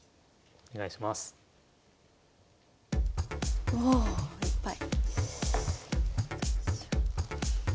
おおいっぱい。